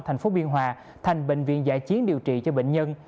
thành phố biên hòa thành bệnh viện giải chiến điều trị cho bệnh nhân